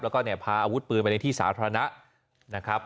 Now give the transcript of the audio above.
แล้วก็เนี่ยพาอาวุธปืนไปในที่สาธารณะนะครับ